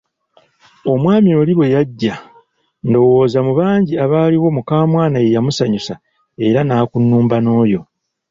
Omwami oli ye bwe yajja ndowooza mu bangi abaaliwo mukamwana yeyamusanyusa era nakunnumba n‘oyo.